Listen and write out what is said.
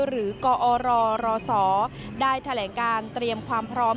หรือกอรรศได้แถลงการเตรียมความพร้อม